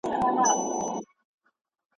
د اندوسکوپي معاینه څه ده؟